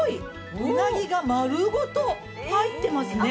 うなぎが丸ごと入ってますね。